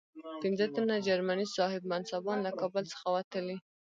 پنځه تنه جرمني صاحب منصبان له کابل څخه وتلي.